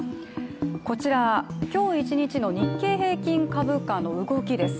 こちら、今日一日の日経平均株価の動きです。